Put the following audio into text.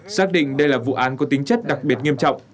xác định đây là vụ án có tính chất đặc biệt nghiêm trọng